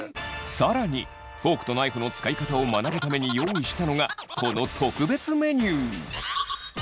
更にフォークとナイフの使い方を学ぶために用意したのがこの特別メニュー！